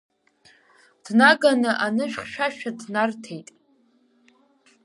Дынаганы анышә хьшәашәа дынарҭаит.